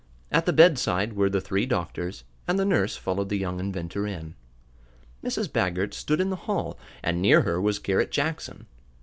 At the bedside were the three doctors, and the nurse followed the young inventor in. Mrs. Baggert stood in the hall, and near her was Garret Jackson.